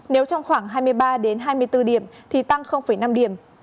nếu trong khoảng hai mươi ba hai mươi bốn điểm thì tăng năm điểm